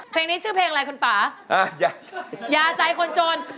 เพลงนี้ชื่อเพลงอะไรคุณป่ายาใจคนจน